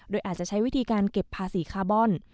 โดยอาจจะใช้วิธีการเก็บภาษีคาร์บอน